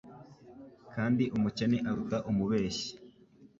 kandi umukene aruta umubeshyi